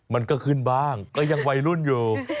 มันก็ขึ้นบ้างก็ยังวัยรุ่นอยู่